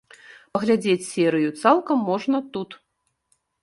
Паглядзець серыю цалкам можна тут.